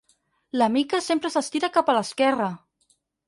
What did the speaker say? La Mica sempre s'estira cap a l'esquerra!